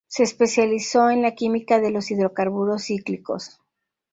Se especializó en la química de los hidrocarburos cíclicos.